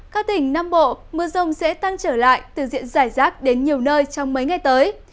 các tỉnh nam bộ mưa rông sẽ tăng trở lại từ diện giải rác đến nhiều nơi trong mấy ngày tới